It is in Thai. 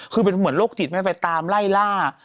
คือเป็นเหมือนโรคจิตไม่ไปตามไล่ล่า